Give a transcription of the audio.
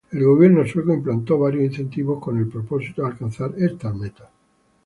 El gobierno sueco implantó varios incentivos con el propósito de alcanzar estas metas.